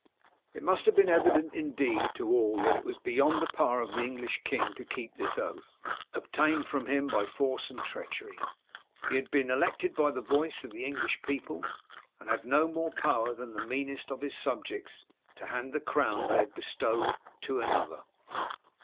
It must have been evident indeed to all that it was beyond the power of the English king to keep this oath, obtained from him by force and treachery. He had been elected by the voice of the English people, and had no more power than the meanest of his subjects to hand the crown they had bestowed to another.